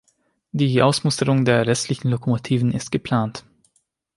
Die Ausmusterung der restlichen Lokomotiven ist geplant.